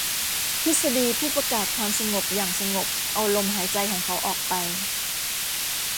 ทฤษฎีผู้ประกาศความสงบอย่างสงบเอาลมหายใจของเขาออกไป